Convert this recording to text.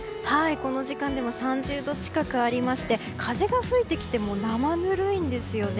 この時間でも３０度近くありまして風が吹いてきても生ぬるいんですよね。